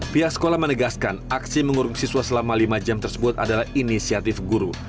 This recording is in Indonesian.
pihak sekolah menegaskan aksi mengurung siswa selama lima jam tersebut adalah inisiatif guru